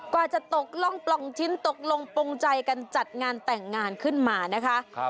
กว่าจะตกร่องปล่องชิ้นตกลงปงใจกันจัดงานแต่งงานขึ้นมานะคะ